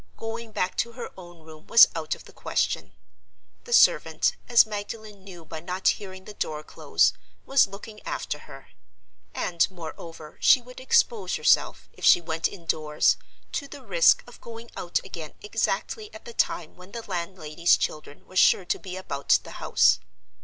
Going back to her own room was out of the question. The servant (as Magdalen knew by not hearing the door close) was looking after her; and, moreover, she would expose herself, if she went indoors, to the risk of going out again exactly at the time when the landlady's children were sure to be about the house.